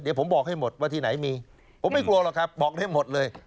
เดี๋ยวผมบอกให้หมดว่าที่ไหนมีผมไม่กลัวหรอกครับบอกได้หมดเลย